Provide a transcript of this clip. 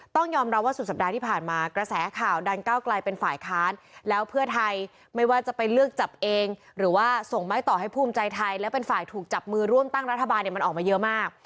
ต้องยอมรับว่าสุดสัปดาห์ที่ผ่านมากระแสข่าวดันก้าวไกลเป็นฝ่ายค้านแล้วเพื่อไทยไม่ว่าจะไปเลือกจับเองหรือว่าส่งไม้ต่อให้ภูมิใจไทยและเป็นฝ่ายถูกจับมือร่วมตั้งรัฐบาลเนี่ยมันออกมาเยอะมาก